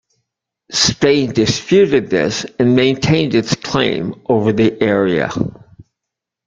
Spain disputed this and maintained its claim over the area.